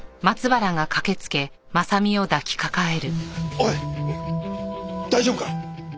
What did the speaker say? おい大丈夫か？